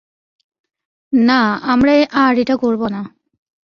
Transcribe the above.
না, আমরা আর এটা করব না।